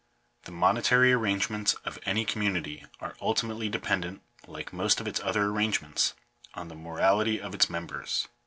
The monetary arrangements of any community are ulti mately dependent, like most of its other arrangements, on the morality of its members.